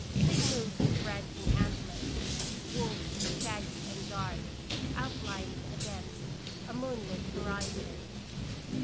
Big moose with branching antlers, wolves shaggy and dark, outlined against a moon lit horizon.